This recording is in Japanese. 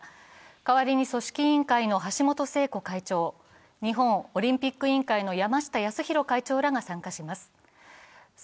代わりに組織委員会の橋本聖子会長、日本オリンピック委員会の山下泰裕会長らが参加します。